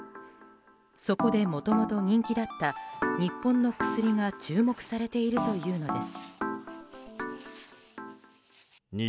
そこでもともと人気だった日本の薬が注目されているというのです。